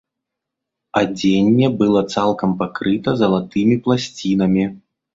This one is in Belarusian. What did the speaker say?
Адзенне была цалкам пакрыта залатымі пласцінамі.